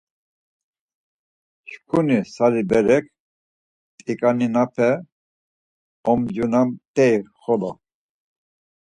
Şǩuni sari berek, t̆iǩaninape omcunamt̆ey xolo.